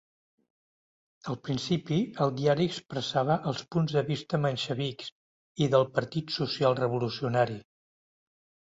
Al principi el diari expressava els punts de vista menxevics i del Partit Social-Revolucionari.